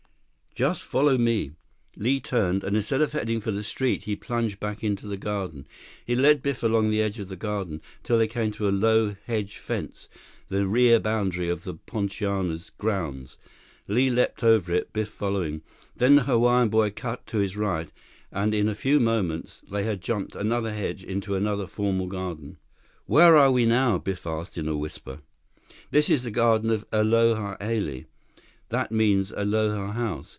46 "Just follow me." Li turned, and instead of heading for the street, he plunged back into the garden. He led Biff along the edge of the garden, until they came to a low hedge fence, the rear boundary of the Poinciana's grounds. Li leaped over it, Biff following. Then the Hawaiian boy cut to his right, and in a few moments, they jumped another hedge into another formal garden. "Where are we now?" Biff asked in a whisper. "This is the garden of the Aloha Hale—that means Aloha House.